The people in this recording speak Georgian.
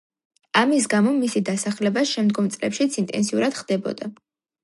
ამის გამო მისი დასახლება შემდგომ წლებშიც ინტენსიურად ხდებოდა.